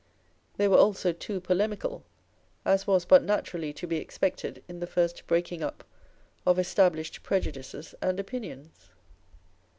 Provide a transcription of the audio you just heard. They were also too polemical ; as was but naturally to be expected in the first breaking up of established prejudices and opinions.